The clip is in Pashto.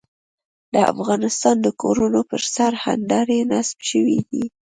د افغانستان د کورونو پر سر هندارې نصب شوې دي.